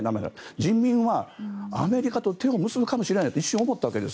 人民は、アメリカと手を結ぶかもしれないと一瞬思ったわけです。